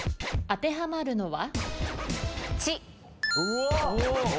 当てはまるのは？